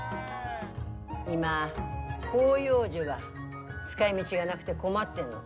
今、広葉樹が使いみぢがなくて困ってんの。